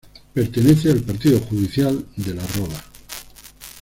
Pertenece al partido judicial de La Roda.